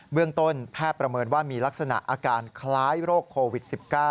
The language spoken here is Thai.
เรื่องต้นแพทย์ประเมินว่ามีลักษณะอาการคล้ายโรคโควิด๑๙